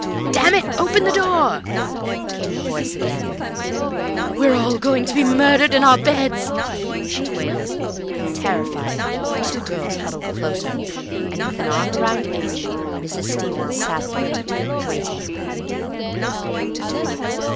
"Damn it, open the door!" came the voice again. "We're all going to be murdered in our beds," she quavered. Terrified, the two girls huddled closer, and with an arm round each, Mrs. Stevens sat there, waiting.